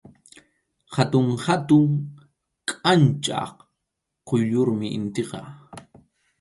Hatun hatun kʼanchaq quyllurmi initiqa.